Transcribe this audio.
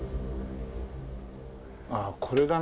ああこれだな。